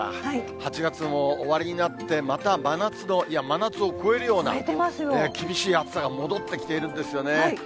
８月も終わりになって、また真夏の、いや、真夏を超えるような、厳しい暑さが戻ってきているんですよね。